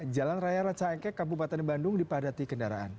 jalan raya rancaekek kabupaten bandung dipadati kendaraan